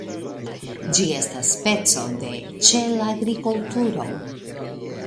Ĝi estas speco de ĉelagrikulturo.